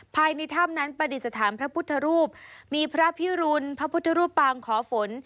ภายในถ้ำนั้นปฏิสถานพระพุทธรูปมีพระพิรุณพระพุทธรูปปางขอฝน